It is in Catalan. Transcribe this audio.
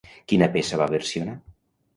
Quina peça va versionar?